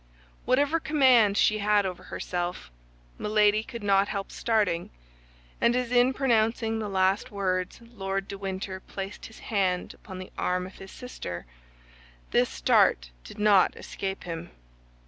Whatever command she had over herself, Milady could not help starting; and as in pronouncing the last words Lord de Winter placed his hand upon the arm of his sister, this start did not escape him.